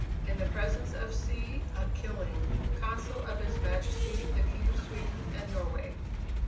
In the presence of C. ACHILLING, Consul of His Majesty the King of Sweden and Norway.